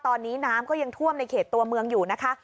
ตอนนี้น้ำก็ยังท่วมในเขตตัวเมืองอยู่นะคะ